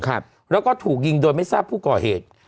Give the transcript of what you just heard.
ครับแล้วก็ถูกยิงโดยไม่ทราบผู้ก่อเหตุ